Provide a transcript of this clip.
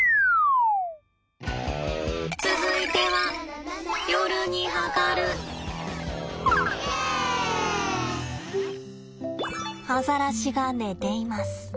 続いてはアザラシが寝ています。